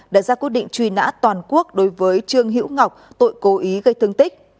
đã ra quyết định truy nã toàn quốc đối với trương hữu ngọc tội cố ý gây thương tích